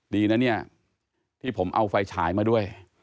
ดีนะเนี่ยที่ผมเอาไฟฉายมาด้วย